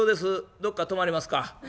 どっか泊まりますか。